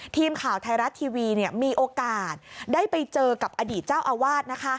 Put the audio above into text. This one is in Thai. ทีมข่าวไทยรัฐทีวีมีโอกาสได้ไปเจอกับอดีตเจ้าอาวาส